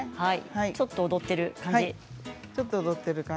ちょっと踊っている感じ。